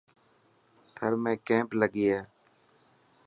ٿر ۾ ڪيمپ لگي هي.